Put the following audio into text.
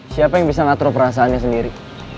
siapa yang bisa ngatur perasaannya sendiri